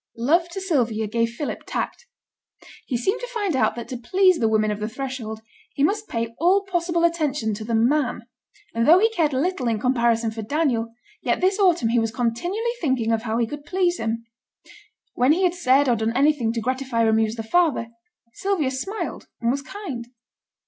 Love to Sylvia gave Philip tact. He seemed to find out that to please the women of the household he must pay all possible attention to the man; and though he cared little in comparison for Daniel, yet this autumn he was continually thinking of how he could please him. When he had said or done anything to gratify or amuse her father, Sylvia smiled and was kind.